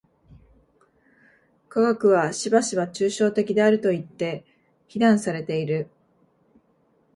科学はしばしば抽象的であるといって非難されている。